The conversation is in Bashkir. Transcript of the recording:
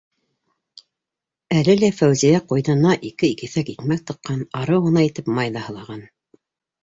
Әле лә Фәүзиә ҡуйынына ике киҫәк икмәк тыҡҡан, арыу ғына итеп май ҙа һылаған.